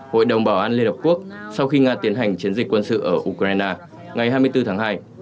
hội đồng bảo an liên hợp quốc sau khi nga tiến hành chiến dịch quân sự ở ukraine ngày hai mươi bốn tháng hai